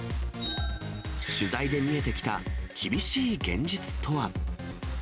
取材で見えてきた厳しい現実とは。